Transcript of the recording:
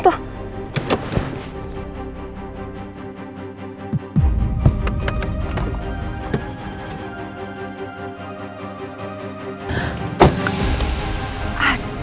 aduh kena lagi